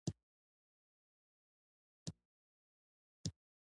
د بنسټونو د بدلون پروسه د تعامل نتیجه ده.